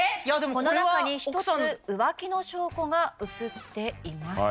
この中に１つ浮気の証拠がうつっています